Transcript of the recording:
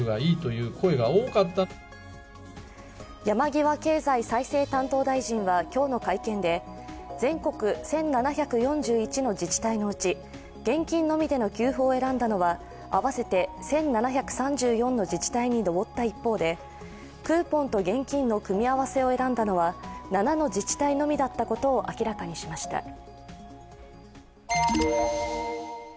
山際経済再生担当大臣は今日の会見で全国１７４１の自治体のうち、現金のみでの給付を選んだのは合わせて１７３４の自治体に上った一方でクーポンと現金の組み合わせを選んだのは７の自治体のみだったことを明らかにしました。